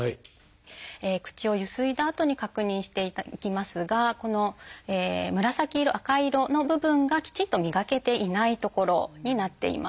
口をゆすいだあとに確認していきますがこの紫色赤色の部分がきちっと磨けていない所になっています。